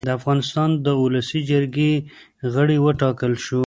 د افغانستان د اولسي جرګې غړی اوټاکلی شو